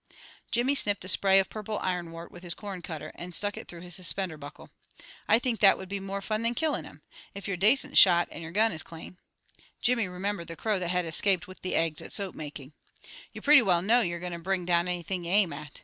Jimmy snipped a spray of purple ironwort with his corn cutter, and stuck it through his suspender buckle. "I think that would be more fun than killin' them. If you're a dacint shot, and your gun is clane" (Jimmy remembered the crow that had escaped with the eggs at soap making), "you pretty well know you're goin' to bring down anything you aim at.